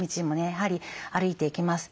やはり歩いていけます。